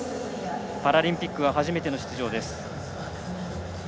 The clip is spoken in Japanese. パラリンピックは初めての出場です。